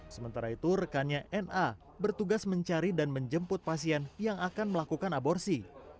sementara itu rekannya na bertugas mencari dan menjemput pasien yang akan melakukan aborsi